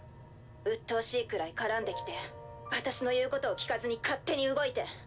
うっとうしいくらい絡んできて私の言うことを聞かずに勝手に動いて。